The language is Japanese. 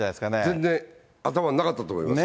全然頭になかったと思います。